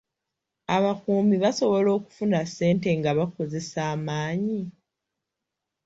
Abakuumi basobola okufuna ssente nga bakozesa amaanyi?